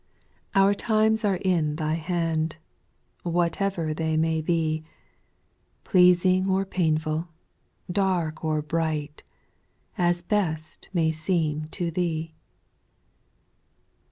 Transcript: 26 SPIRITUAL S0N08. 2. Our times are in Thy hand, Whatever they may be, — Pleasing or painful, dark or bright, As best may seem to Thee.